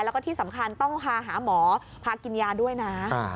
แล้วก็ที่สำคัญต้องพาหาหมอพากินยาด้วยนะ